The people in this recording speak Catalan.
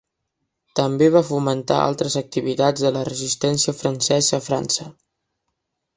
També va fomentar altres activitats de la resistència francesa a França.